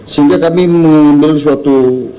sehingga kami mengambil suatu